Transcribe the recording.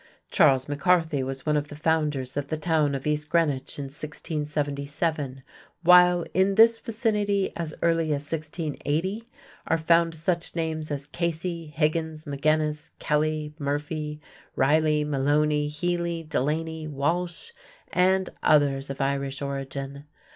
Charles McCarthy was one of the founders of the town of East Greenwich in 1677, while in this vicinity as early as 1680 are found such names as Casey, Higgins, Magennis, Kelley, Murphy, Reylie, Maloney, Healy, Delaney, Walsh, and others of Irish origin.